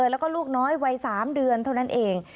แล้วก็ลูกน้อยวัย๓เดือนเท่านั้นเอง